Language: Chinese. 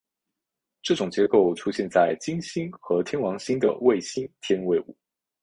这种结构出现在金星和天王星的卫星天卫五。